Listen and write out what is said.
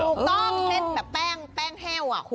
ถูกต้องเส้นแบบแป้งแห้ว